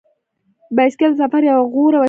بایسکل د سفر یوه غوره وسیله ده.